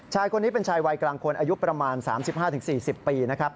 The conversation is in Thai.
ชายคนนี้เป็นชายวัยกลางคนอายุประมาณ๓๕๔๐ปีนะครับ